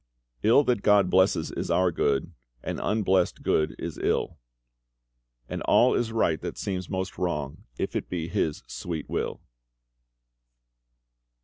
"Ill that GOD blesses is our good, And unblest good is ill; And all is right that seems most wrong, If it be His sweet will."